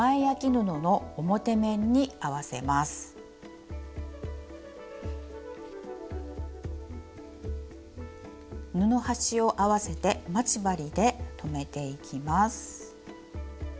布端を合わせて待ち針で留めていきます。